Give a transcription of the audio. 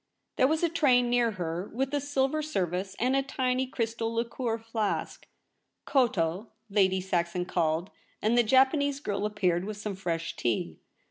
There was a tray near her, with a silver service, and a tiny crystal liqueur flask. * Koto,' Lady Saxon called, and the Japanese girl appeared with some fresh tea.